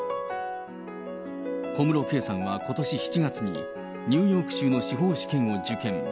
小室圭さんはことし７月にニューヨーク州の司法試験を受験。